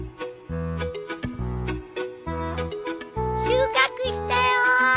収穫したよ！